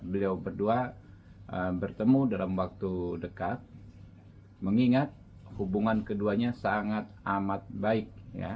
beliau berdua bertemu dalam waktu dekat mengingat hubungan keduanya sangat amat baik